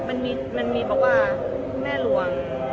หลังนั้นมีบอกว่าแม่หลวง